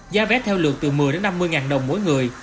giá vé theo lượt từ một mươi đến năm mươi ngàn đồng mỗi người